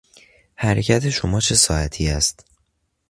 حرکت شما چه ساعتی است؟